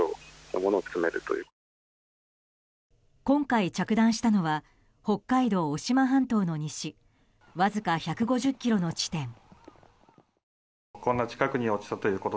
今回、着弾したのは北海道渡島半島の西わずか１５０ｋｍの地点。